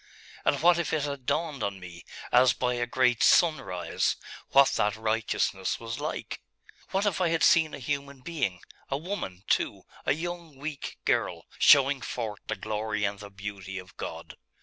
And what if it had dawned on me, as by a great sunrise, what that righteousness was like? What if I had seen a human being, a woman, too, a young weak girl, showing forth the glory and the beauty of God?